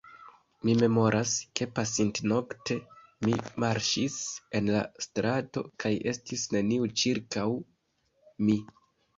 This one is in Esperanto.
Mi memoras, ke pasintnokte mi marŝis en la strato kaj estis neniu ĉirkaŭ mi.